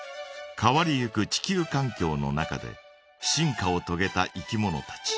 変わりゆく地球かん境の中で進化をとげたいきものたち。